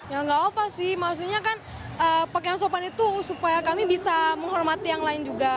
ya nggak apa sih maksudnya kan pakaian sopan itu supaya kami bisa menghormati yang lain juga